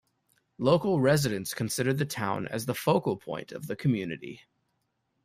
Local residents consider the town as the focal point of the community.